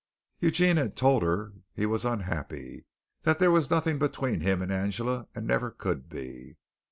Eugene told her that he was unhappy, that there was nothing between him and Angela and never could be.